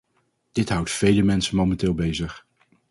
Dit houdt vele mensen momenteel bezig.